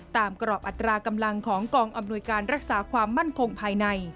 กรอบอัตรากำลังของกองอำนวยการรักษาความมั่นคงภายใน